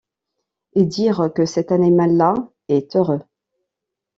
Et dire que cet animal-là est heureux!...